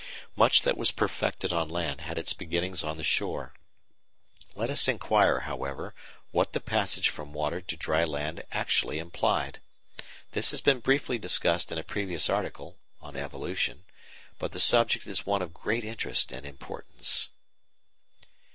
Much that was perfected on land had its beginnings on the shore. Let us inquire, however, what the passage from water to dry land actually implied. This has been briefly discussed in a previous article (on Evolution), but the subject is one of great interest and importance.